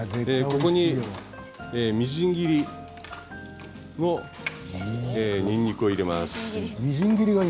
ここに、みじん切りのにんにくを入れます。